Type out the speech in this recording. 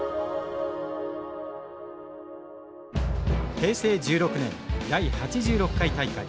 平成１６年第８６回大会。